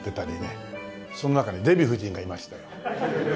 その中にデヴィ夫人がいましたよ。